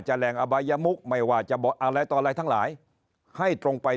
แหล่งอบายมุกไม่ว่าจะอะไรต่ออะไรทั้งหลายให้ตรงไป